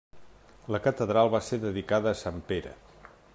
La catedral va ser dedicada a Sant Pere.